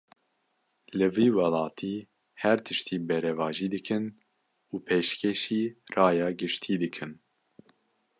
Li vî welatî, her tiştî berevajî dikin û pêşkêşî raya giştî dikin